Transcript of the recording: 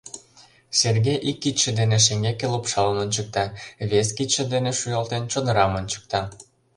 — Сергей ик кидше дене шеҥгеке лупшалын ончыкта, вес кидше дене, шуялтен, чодырам ончыкта.